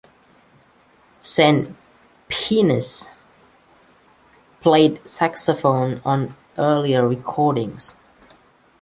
Saint Peenis played saxophone on earlier recordings.